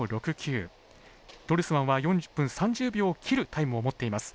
ドルスマンは４分３０秒を切るタイムを持っています。